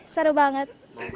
seru ya seru banget